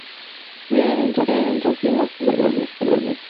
Las uvas vienen en racimos, son pequeñas y dulces.